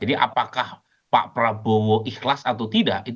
jadi apakah pak prabowo ikhlas atau tidak